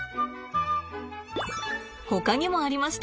ほかにもありました。